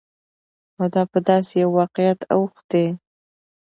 او دا په داسې يوه واقعيت اوښتى،